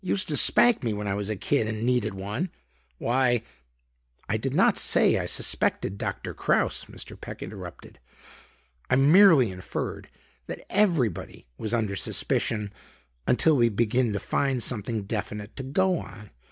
Used to spank me when I was a kid and needed one. Why...." "I did not say I suspected Doctor Kraus," Mr. Peck interrupted. "I merely inferred that everybody was under suspicion until we begin to find something definite to go on.